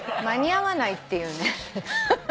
間に合わないっていうね。